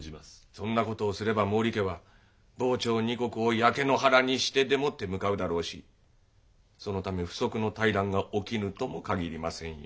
そんなことをすれば毛利家は防長二国を焼け野原にしてでも手向かうだろうしそのため不測の大乱が起きぬとも限りませんよ。